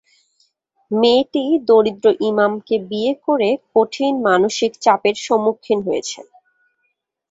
মেয়েটি দরিদ্র ইমামকে বিয়ে করে কঠিন মানসিক চাপের সম্মুখীন হয়েছে।